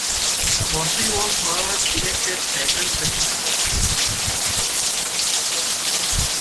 Bossi was however elected federal president.